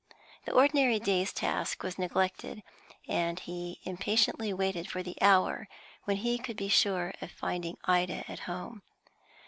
The ordinary day's task was neglected, and he impatiently waited for the hour when he could be sure of finding Ida at home.